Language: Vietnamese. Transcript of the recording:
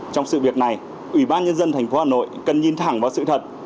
trong sự việc này ủy ban nhân dân tp hà nội cần nhìn thẳng vào sự thật